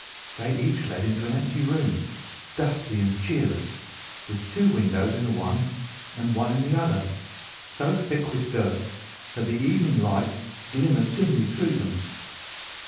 They each led into an empty room, dusty and cheerless, with two windows in the one and one in the other, so thick with dirt that the evening light glimmered dimly through them.